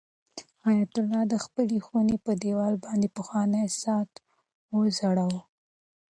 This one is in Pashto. حیات الله د خپلې خونې په دېوال باندې پخوانی ساعت وځړاوه.